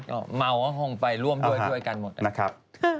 เหมาก็ร้องไปรวมด้วยกันหมด